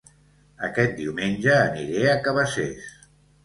Aquest diumenge aniré a Cabacés